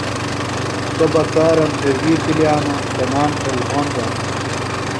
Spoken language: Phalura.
سوۡ بکارم تھےۡ وی پِلیانوۡ۔ تنام تھےۡ لھوݨ دانوۡ۔